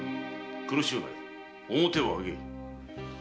苦しゅうない面を上げい。